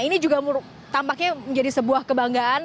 ini juga tampaknya menjadi sebuah kebanggaan